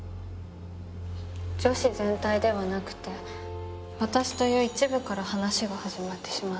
女子全体ではなくて私という一部から話が始まってしまっている。